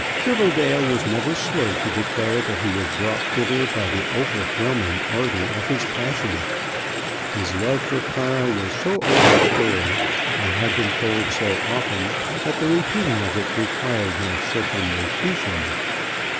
Tribbledale was never slow to declare that he was brought thither by the overwhelming ardour of his passion. His love for Clara was so old a story, and had been told so often, that the repeating of it required no circumlocution.